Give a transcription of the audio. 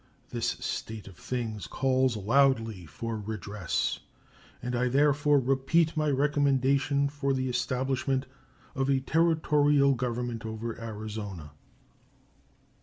This state of things calls loudly for redress, and I therefore repeat my recommendation for the establishment of a Territorial government over Arizona.